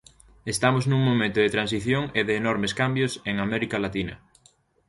Estamos nun momento de transición e de enormes cambios en América Latina.